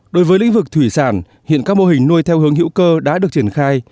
đối với lĩnh vực thủy sản hiện các mô hình nuôi theo hướng hữu cơ đã được triển khai